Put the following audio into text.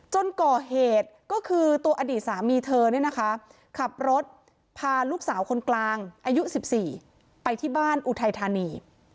ก่อเหตุก็คือตัวอดีตสามีเธอเนี่ยนะคะขับรถพาลูกสาวคนกลางอายุ๑๔ไปที่บ้านอุทัยธานี